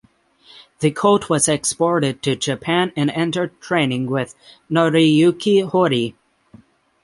The colt was exported to Japan and entered training with Noriyuki Hori.